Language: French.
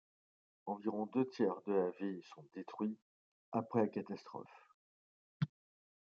Environ deux tiers de la ville sont détruits après la catastrophe.